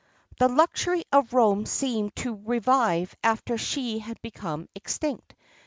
[XXXII 33] The luxury of Rome seemed to revive after she had become extinct.